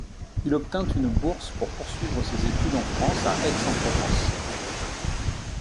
Il obtînt une bourse pour poursuivre ses études en France à Aix-en-Provence.